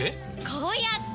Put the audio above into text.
こうやって！